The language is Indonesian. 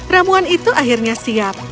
rambuan itu akhirnya siap